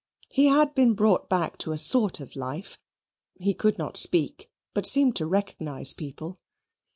He had been brought back to a sort of life; he could not speak, but seemed to recognize people.